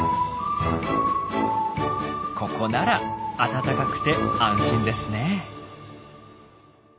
ここなら暖かくて安心ですね。